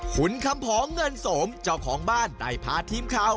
คุณคำผองเงินสมเจ้าของบ้านได้พาทีมข่าว